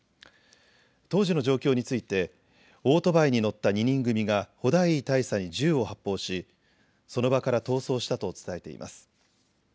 当時の状況についてオートバイに乗った２人組がホダイー大佐に銃を発砲しその場から逃走したと伝えています。